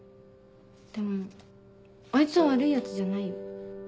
でもあいつは悪いヤツじゃないよ。